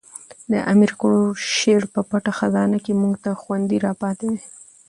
د امیر کروړ شعر په پټه خزانه کښي موږ ته خوندي را پاته دئ.